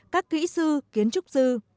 các kỹ sư kiến trúc sư